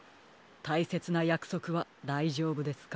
たいせつなやくそくはだいじょうぶですか？